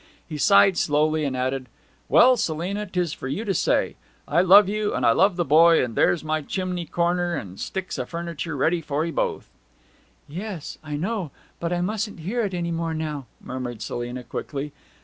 He sighed slowly and added, 'Well, Selina, 'tis for you to say. I love you, and I love the boy; and there's my chimney corner and sticks o' furniture ready for 'ee both.' 'Yes, I know! But I mustn't hear it any more now,' murmured Selina quickly.